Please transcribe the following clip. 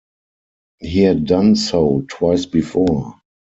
He had done so twice before.